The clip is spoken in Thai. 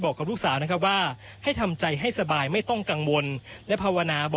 ขอบคุณครับ